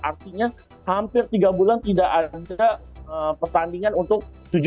artinya hampir tiga bulan tidak ada pertandingan untuk